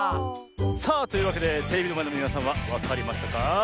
さあというわけでテレビのまえのみなさんはわかりましたか？